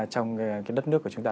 trong cái đất nước của chúng ta